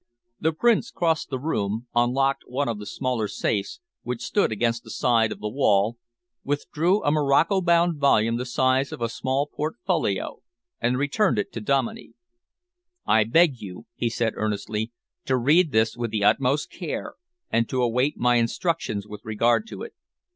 The Prince crossed the room, unlocked one of the smaller safes, which stood against the side of the wall, withdrew a morocco bound volume the size of a small portfolio, and returned to Dominey. "I beg you," he said earnestly, "to read this with the utmost care and to await my instructions with regard to it.